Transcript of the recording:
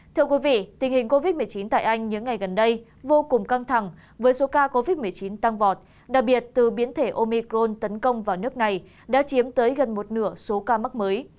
thưa quý vị tình hình covid một mươi chín tại anh những ngày gần đây vô cùng căng thẳng với số ca covid một mươi chín tăng vọt đặc biệt từ biến thể omicron tấn công vào nước này đã chiếm tới gần một nửa số ca mắc mới